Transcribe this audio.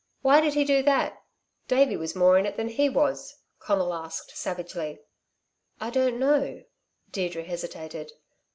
"Why did he do that? Davey was more in it than he was," Conal asked savagely. "I don't know," Deirdre hesitated.